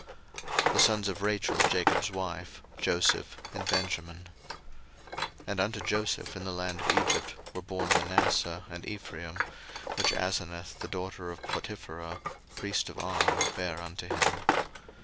01:046:019 The sons of Rachel Jacob's wife; Joseph, and Benjamin. 01:046:020 And unto Joseph in the land of Egypt were born Manasseh and Ephraim, which Asenath the daughter of Potipherah priest of On bare unto him.